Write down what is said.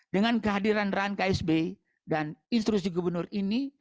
dengan kehadiran ran ksb dan instruksi gubernur ini